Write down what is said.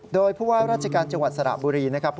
โดยผู้ว่าราชการจังหวัดสระบุรีนะครับ